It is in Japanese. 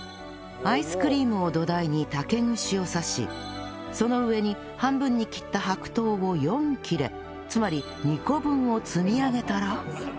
アイスクリームを土台に竹串を刺しその上に半分に切った白桃を４切れつまり２個分を積み上げたら